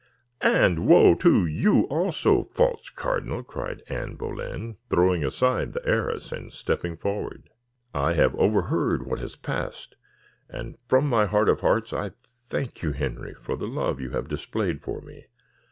"And woe to you also, false cardinal," cried Anne Boleyn, throwing aside the arras, and stepping forward. "I have overheard what has passed; and from my heart of hearts I thank you, Henry, for the love you have displayed for me.